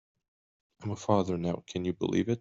I am father now, can you believe it?